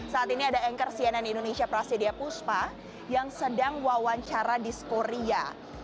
saat ini ada anchor cnn indonesia prasetya puspa yang sedang wawancara disco ria